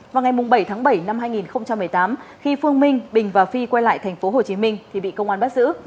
vào ngày bảy tháng bảy năm hai nghìn một mươi tám khi phương minh bình và phi quay lại thành phố hồ chí minh thì bị công an bắt giữ